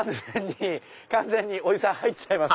完全におじさん入っちゃいます。